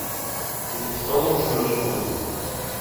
It is a solo promotional release.